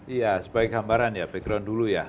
iya sebagai gambaran ya background dulu ya